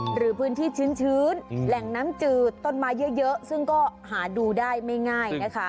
หรือพื้นที่ชื้นแหล่งน้ำจืดต้นไม้เยอะซึ่งก็หาดูได้ไม่ง่ายนะคะ